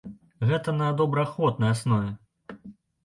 Гэта на добраахвотнай аснове.